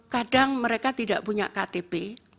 kadang mereka tidak punya ktp